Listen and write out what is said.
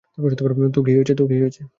তো কী হয়েছে।